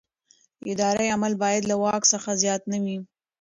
اداري عمل باید له واک څخه زیات نه وي.